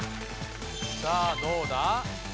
さぁどうだ？